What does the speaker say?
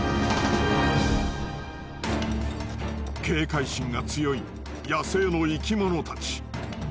警戒心が強い野生の生き物たち。